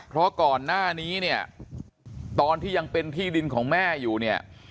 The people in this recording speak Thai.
เพราะก่อนหน้านี้เนี่ยตอนที่ยังเป็นที่ดินของแม่อยู่เนี่ย